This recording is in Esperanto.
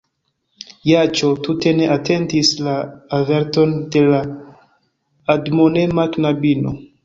Joĉjo tute ne atentis la averton de la admonema knabino.